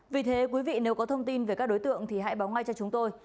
vì thế quý vị nếu có thông tin về các đối tượng thì hãy báo ngay cho chúng tôi